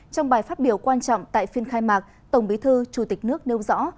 trong bài phát biểu quan trọng tại phiên khai mạc tổng bí thư chủ tịch nước nêu rõ